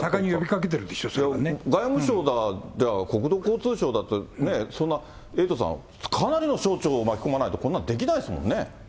外務省だ、国土交通省だってね、そんなエイトさん、かなりの省庁巻き込まないとこんなのできないですよね。